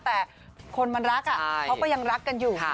แต่คนมันรักเขาก็ยังรักกันอยู่